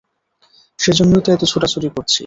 সেজন্যই তো এত ছোটাছুটি করছি।